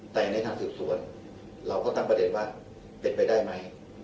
แต่ในทางสืบสวนเราก็ตั้งประเด็นว่าเป็นไปได้ไหม